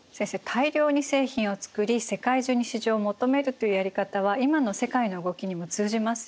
大量に製品を作り世界中に市場を求めるというやり方は今の世界の動きにも通じますよね。